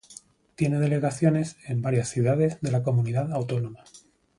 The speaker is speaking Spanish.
Tiene delegaciones en varias ciudades de la Comunidad Autónoma.